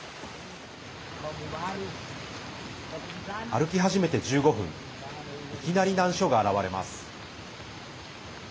歩き始めて１５分いきなり難所が現れます。